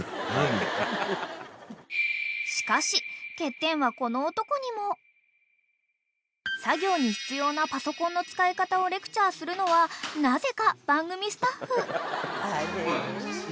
［しかし］［作業に必要なパソコンの使い方をレクチャーするのはなぜか番組スタッフ］